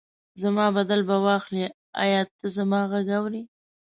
زما بدل به واخلي، ایا ته زما غږ اورې؟